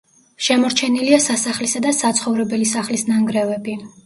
შემორჩენილია სასახლისა და საცხოვრებელი სახლის ნანგრევები.